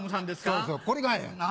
そうそうこれがええ。